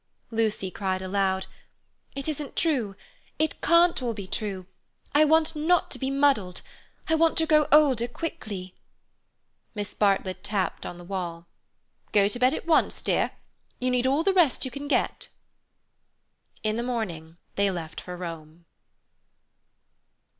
Lucy cried aloud: "It isn't true. It can't all be true. I want not to be muddled. I want to grow older quickly." Miss Bartlett tapped on the wall. "Go to bed at once, dear. You need all the rest you can get." In the morning they left for Rome.